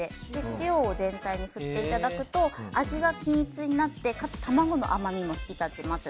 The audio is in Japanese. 塩を全体に振っていただくと味が均一になってかつ卵の甘みも引き立ちます。